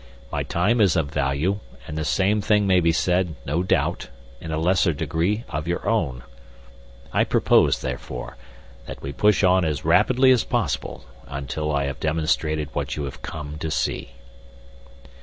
My time is of value, and the same thing may be said, no doubt, in a lesser degree of your own. I propose, therefore, that we push on as rapidly as possible, until I have demonstrated what you have come to see."